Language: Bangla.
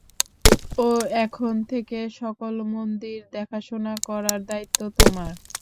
এখন থেকে সকল মন্দির দেখাশোনা করার দায়িত্ব তোমার।